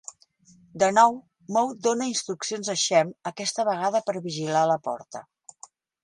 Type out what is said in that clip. De nou, Moe dona instruccions a Shemp, aquesta vegada per vigilar la porta.